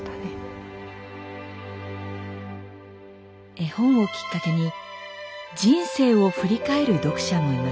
絵本をきっかけに人生を振り返る読者もいます。